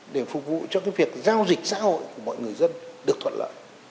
để phục vụ cho việc giao dịch xã hội của mọi người dân được thuận lợi